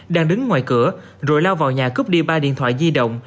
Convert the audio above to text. đang đứng ngoài cửa rồi lao vào nhà cướp đi ba điện thoại di động